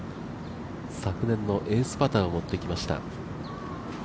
昨年のエースパターを持ってきました。